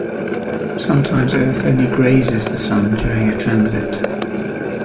Sometimes Earth only grazes the Sun during a transit.